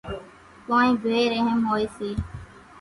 ڪونئين ڀيَ ريحم هوئيَ سي۔